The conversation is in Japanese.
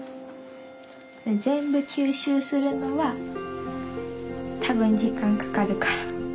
全部吸収するのは多分時間かかるから。